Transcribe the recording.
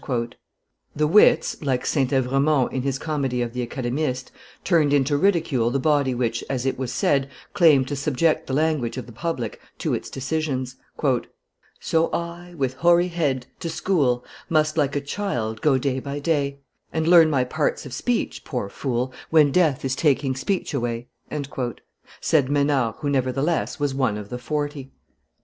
The wits, like St. Evremond, in his comedy of the Academistes, turned into ridicule the body which, as it was said, claimed to subject the language of the public to its decisions: "So I, with hoary head, to' school Must, like a child, go day by day, And learn my parts of speech, poor fool, when Death is taking speech away!" said Maynard, who, nevertheless, was one of the forty.